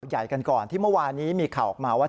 ใหญ่กันก่อนที่เมื่อวานี้มีข่าวออกมาว่า